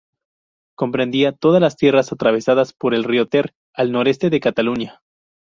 Comprendía todas las tierras atravesadas por el río Ter, al noreste de Cataluña.